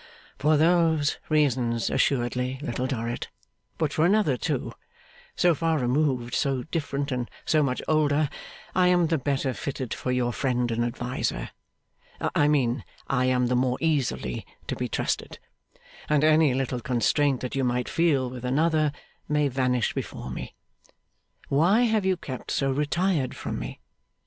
'For those reasons assuredly, Little Dorrit, but for another too. So far removed, so different, and so much older, I am the better fitted for your friend and adviser. I mean, I am the more easily to be trusted; and any little constraint that you might feel with another, may vanish before me. Why have you kept so retired from me?